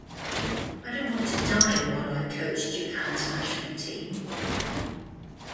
I don't want to die while I coach Japan's national team.